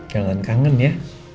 jangan kangen ya